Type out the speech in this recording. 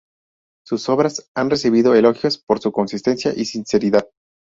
Sus obras han recibido elogios por su consistencia y sinceridad.